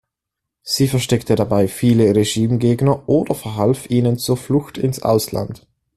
Sie versteckte dabei viele Regimegegner oder verhalf ihnen zur Flucht ins Ausland.